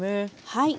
はい。